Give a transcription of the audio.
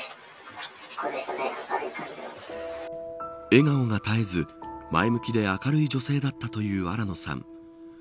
笑顔が絶えず前向きで明るい女性だったという新野さん。